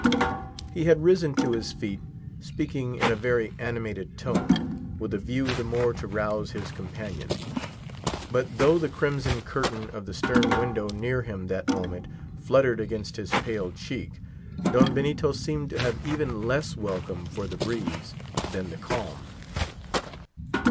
He had risen to his feet, speaking in a very animated tone, with a view the more to rouse his companion. But though the crimson curtain of the stern window near him that moment fluttered against his pale cheek, Don Benito seemed to have even less welcome for the breeze than the calm.